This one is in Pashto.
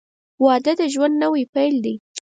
• واده د ژوند نوی پیل دی.